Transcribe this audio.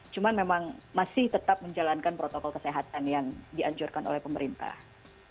cuma memang masih tetap menjalankan protokol kesehatan yang dianjurkan oleh pemerintah